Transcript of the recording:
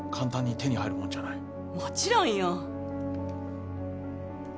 もちろんよ。